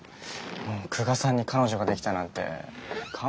久我さんに彼女ができたなんて感無量ですよ。